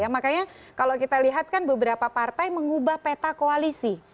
makanya kalau kita lihat kan beberapa partai mengubah peta koalisi